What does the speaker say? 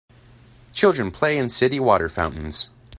Children play in city water fountains.